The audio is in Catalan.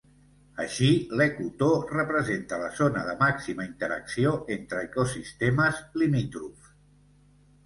Així, l'ecotò representa la zona de màxima interacció entre ecosistemes limítrofs.